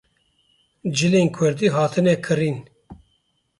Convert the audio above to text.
Cilên Kurdî hatine kirîn